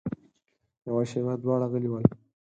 يوه شېبه دواړه غلي ول.